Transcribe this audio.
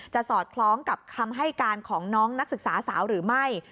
สอดคล้องกับคำให้การของน้องนักศึกษาสาวหรือไม่